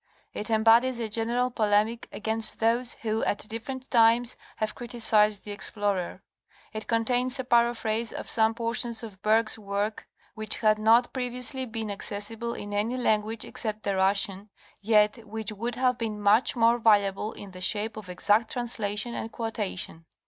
It embodies a general polemic against those who at different times have criticised the explorer. It contains a paraphrase of some portions of Bergh's work which had not previously been accessible in any language except the Russian, yet which would have been much more valuable in the shape of exact translation and quotation.